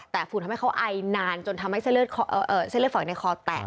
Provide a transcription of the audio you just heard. แต่ฝุ่นทำให้เขาไอนานจนทำให้เส้นเลือดฝอยในคอแตก